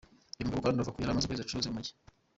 Uyu mugabo kandi avuga yari amaze ukwezi acuruza urumogi.